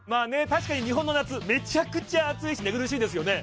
確かに日本の夏めちゃくちゃ暑いし寝苦しいですよね